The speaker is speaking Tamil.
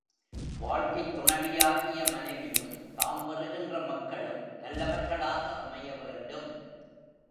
வாழ்க்கைத் துணைவியாகிய மனைவியும், தாம் பெறுகின்ற மக்களும் நல்லவர்களாக அமைய வேண்டும்.